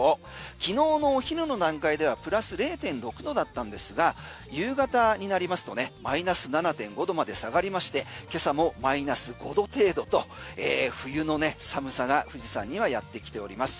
昨日のお昼の段階ではプラス０．６度だったんですが夕方になりますとマイナス７．５度まで下がりまして今朝もマイナス５度程度と冬の寒さが富士山にはやってきております。